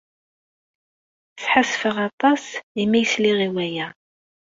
Sḥassfeɣ aṭas imi ay sliɣ i waya.